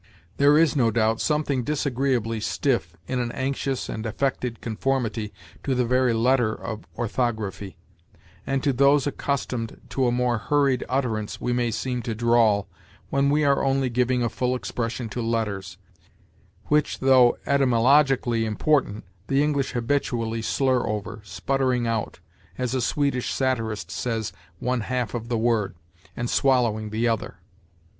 There is, no doubt, something disagreeably stiff in an anxious and affected conformity to the very letter of orthography; and to those accustomed to a more hurried utterance we may seem to drawl, when we are only giving a full expression to letters which, though etymologically important, the English habitually slur over, sputtering out, as a Swedish satirist says, one half of the word, and swallowing the other.